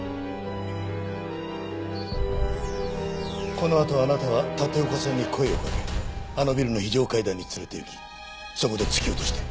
このあとあなたは立岡さんに声をかけあのビルの非常階段に連れて行きそこで突き落として殺害した。